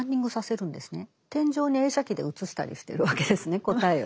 天井に映写機で映したりしてるわけですね答えを。